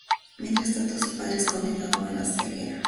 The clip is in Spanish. Mientras tanto, su padre es condenado a la ceguera.